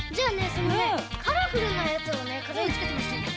そのねカラフルなやつをねかざりつけてほしいの。